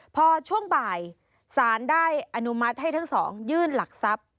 พอช่วงบ่ายสารได้อนุมัติให้ทั้งสองยื่นหลักทรัพย์